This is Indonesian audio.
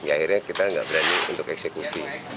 akhirnya kita nggak berani untuk eksekusi